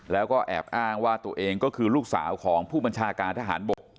แล้วก็แอบอ้างว่าตัวเองก็คือลูกสาวของผู้บัญชาการทหารบก